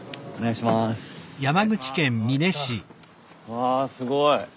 わすごい！